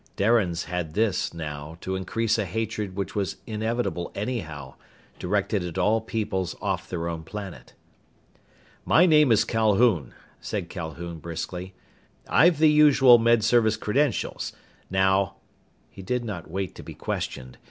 Darians had this, now, to increase a hatred which was inevitable anyhow, directed at all peoples off their own planet. "My name is Calhoun," said Calhoun briskly. "I've the usual Med Service credentials. Now " He did not wait to be questioned.